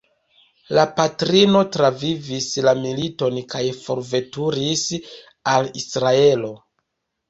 La patrino travivis la militon kaj forveturis al Israelo.